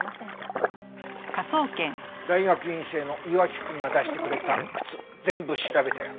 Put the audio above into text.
大学院生の岩城くんが出してくれた靴全部調べたよ。